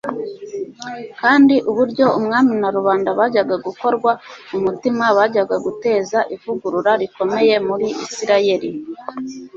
kandi uburyo umwami na rubanda bajyaga gukorwa ku mutima byajyaga guteza ivugurura rikomeye muri Isirayeli